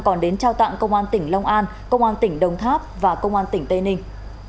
còn đến trao tặng công an tỉnh long an công an tỉnh đồng tháp và công an tỉnh tây ninh